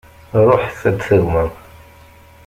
Ruḥet ad d-tagmem.